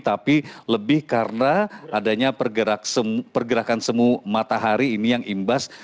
tapi lebih karena adanya pergerakan semu matahari ini yang imbas